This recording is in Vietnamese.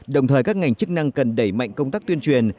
đồng thời các ngành chức năng cần đẩy mạnh công tác tuyên truyền